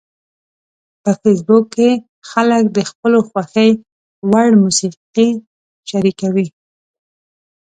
په فېسبوک کې خلک د خپلو خوښې وړ موسیقي شریکوي